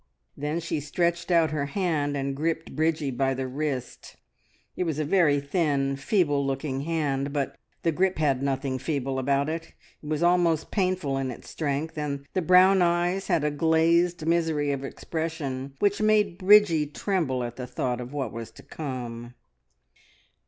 Then she stretched out her hand, and gripped Bridgie by the wrist. It was a very thin, feeble looking hand, but the grip had nothing feeble about it it was almost painful in its strength, and the brown eyes had a glazed misery of expression which made Bridgie tremble at the thought of what was to come.